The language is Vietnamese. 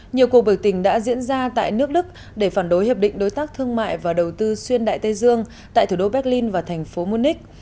nhiều cuộc biểu tình đã diễn ra tại nước đức để phản đối hiệp định đối tác thương mại và đầu tư xuyên đại tây dương tại thủ đô berlin và thành phố munich